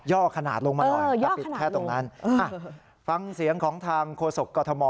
่อขนาดลงมาหน่อยจะปิดแค่ตรงนั้นฟังเสียงของทางโฆษกกรทม